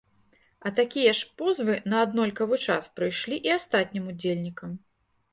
А такія ж позвы на аднолькавы час прыйшлі і астатнім ўдзельнікам.